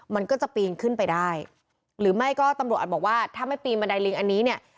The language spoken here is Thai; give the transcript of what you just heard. มันก็จะปีนขึ้นไปได้หรือไม่ก็ตำรวจอาจบอกว่าถ้าไม่ปีนบันไดลิงอันนี้เนี่ย